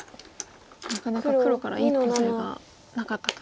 なかなか黒からいいコウ材がなかったと。